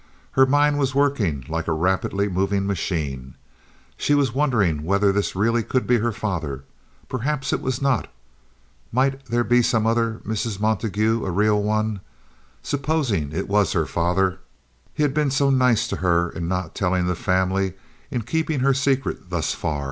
Her mind was working like a rapidly moving machine. She was wondering whether this really could be her father. Perhaps it was not. Might there be some other Mrs. Montague—a real one? Supposing it was her father—he had been so nice to her in not telling the family, in keeping her secret thus far.